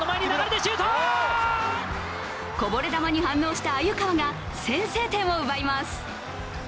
こぼれ球に反応した鮎川が先制点を奪います。